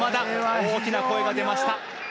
大きな声が出ました。